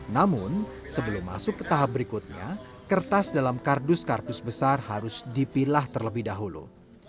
namun sebelum masuk ke tahap berikutnya kertas dalam kardus kardus besar harus dipilah terlebih dahulu